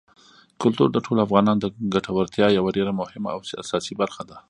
کلتور د ټولو افغانانو د ګټورتیا یوه ډېره مهمه او اساسي برخه ده.